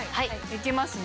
いきますね。